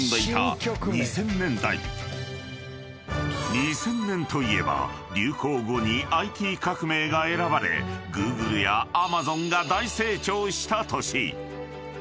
２０００年といえば流行語にＩＴ革命が選ばれＧｏｏｇｌｅやＡｍａｚｏｎが大成長した年］